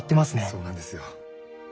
そうなんですよ。